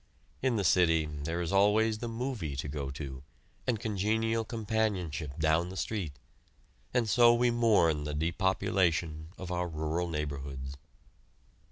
In the city there is always the "movie" to go to, and congenial companionship down the street, and so we mourn the depopulation of our rural neighborhoods.